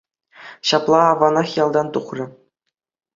Ҫапла аванах ялтан тухрӗ.